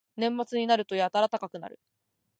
年末になるとやたら高くなる